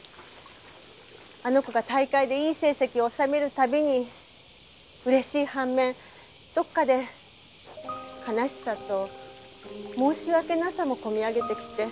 あの子が大会でいい成績を収めるたびに嬉しい反面どこかで悲しさと申し訳なさもこみ上げてきて。